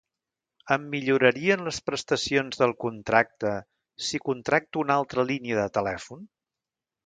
Em millorarien les prestacions del contracte si contracto una altra línia de telèfon?